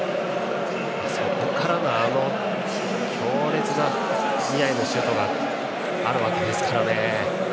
そこからのあの強烈なニアへのシュートがあるわけですからね。